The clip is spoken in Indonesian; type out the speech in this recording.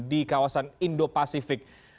di kawasan indo pasifik